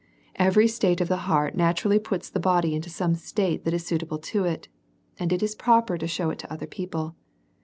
Every state of the heart naturally puts the body in to some state that is suitable to it, and is proper to show it to other people.